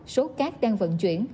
số cát đang vận chuyển